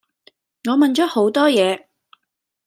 我問咗好多野